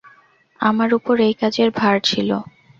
আমার উপর এই কাজের ভার ছিল।